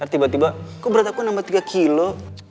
tiba tiba kok berat aku nambah tiga kilo